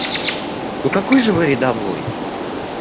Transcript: Ну какой же Вы рядовой?